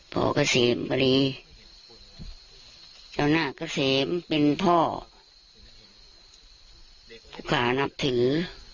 พ่อเกษมพลีเจ้าหน้าเกษมเป็นพ่อผู้ขานับถือ